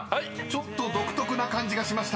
ちょっと独特な感じがしましたが］